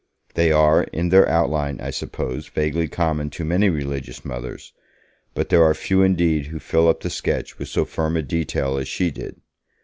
They are, in their outline, I suppose, vaguely common to many religious mothers, but there are few indeed who fill up the sketch with so firm a detail as she did.